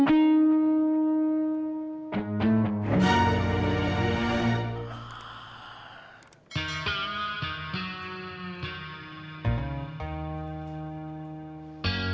kemana nih bocah